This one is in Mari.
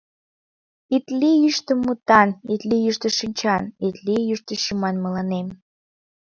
Ит лий йӱштӧ мутан, Ит лий йӱштӧ шинчан, Ит лий йӱштӧ шӱман мыланем.